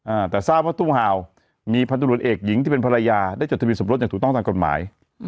อ่าแต่ทราบว่าตู้ห่าวมีพันธุรกิจเอกหญิงที่เป็นภรรยาได้จดทะเบียสมรสอย่างถูกต้องตามกฎหมายอืม